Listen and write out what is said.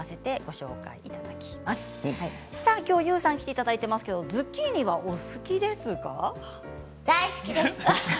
きょうＹＯＵさん来ていただいていますがズッキーニはお好きですか？